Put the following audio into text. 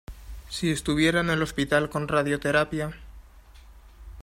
si estuviera en el hospital con radioterapia...